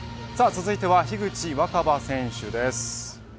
続いては、樋口新葉選手です。